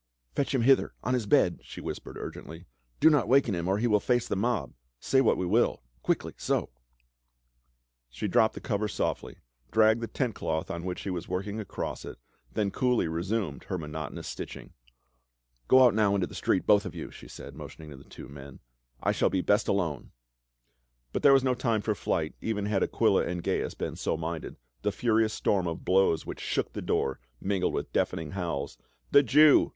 " Fetch him hither — on his bed," she whispered urgently :" do not waken him or he will face the mob — say what we will. Quickly, so !" She dropped the cover softly, dragged the tent cloth on which she was working across it, then coolly resumed her monotonous stitching. " Go out now into the street, both of you," she said, motioning tp the two men. " I shall be best alone." But there was no time for flight, even had Aquila and Gains been so minded, the furious storm of blow.* which shook the door, mingled with deafening howls, " The Jew